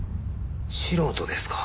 素人ですか？